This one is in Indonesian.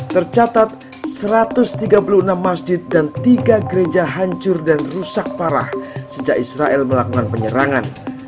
tercatat satu ratus tiga puluh enam masjid dan tiga gereja hancur dan rusak parah sejak israel melakukan penyerangan